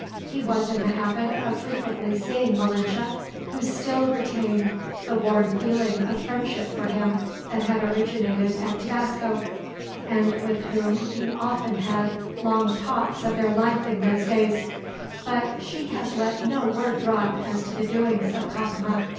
He was in the habit of frequently seeing Malinche, who still retained the warm feeling of friendship for him that had originated at Tabasco, and with whom he often had long talks of their life in those days; but she had let no word drop as to the doings of Cacama.